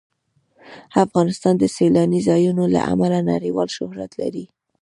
افغانستان د سیلاني ځایونو له امله نړیوال شهرت لري.